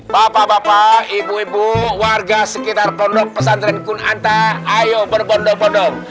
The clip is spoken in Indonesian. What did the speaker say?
bapak bapak ibu ibu warga sekitar pondok pesantren kunanta ayo berbondong bondong